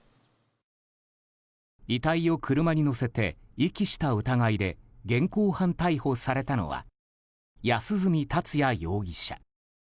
遺体を車に載せて遺棄した疑いで現行犯逮捕されたのは安栖達也容疑者。